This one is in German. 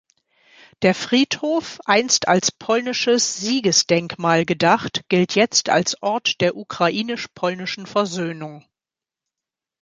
Der Friedhof, einst als polnisches Siegesdenkmal gedacht, gilt jetzt als Ort der ukrainisch-polnischen Versöhnung.